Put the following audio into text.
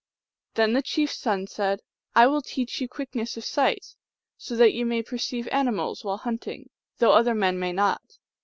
Then the chief s son said, " I will teach you quick ness of sight, so that you may perceive animals while hunting, though other men may not.